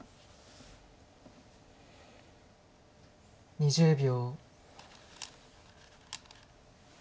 ２０秒。